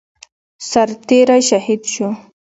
سرتيری شهید شو